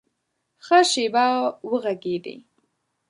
ښه شېبه وږغېدی !